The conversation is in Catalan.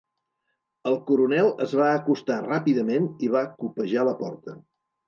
El coronel es va acostar ràpidament i va copejar la porta.